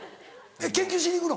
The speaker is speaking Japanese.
研究しに行くの？